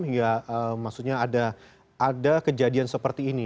hingga maksudnya ada kejadian seperti ini